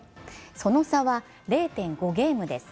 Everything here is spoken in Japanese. その差は０．５ゲームです。